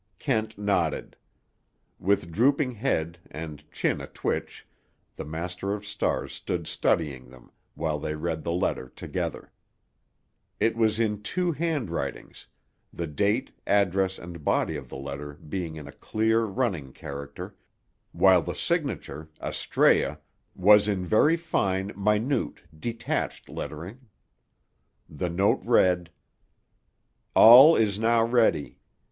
Kent nodded. With drooping head, and chin a twitch, the Master of Stars stood studying them, while they read the letter together. It was in two handwritings, the date, address and body of the letter being in a clear running character, while the signature, "Astræa," was in very fine, minute, detached lettering. The note read: "All is now ready.